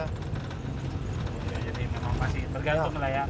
jadi memang masih bergantung lah ya